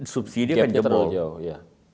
subsidi kan jebol